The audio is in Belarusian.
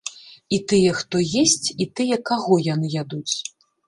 І тыя, хто есць, і тыя, каго яны ядуць.